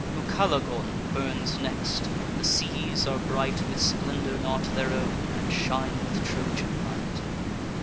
Ucalegon burns next: the seas are bright With splendour not their own, and shine with Trojan light.